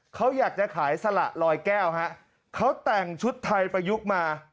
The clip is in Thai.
เขาอยากจะขายสละลอยแก้วฮะเขาแต่งชุดไทยประยุกต์มา